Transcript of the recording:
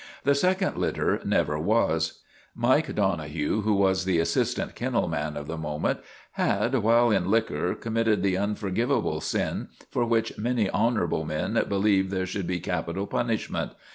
The second litter never was. Mike Donohue, who was the assistant kennel man of the moment, had, while in liquor, committed the unforgivable sin for which many honorable men believe there should be capital punishment.